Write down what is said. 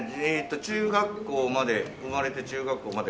中学校まで生まれて中学校までこちらおって。